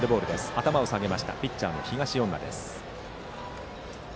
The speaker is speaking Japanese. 頭を下げましたピッチャーの東恩納。